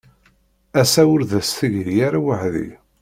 Ass-a ur d as-tegri ara weḥd-i.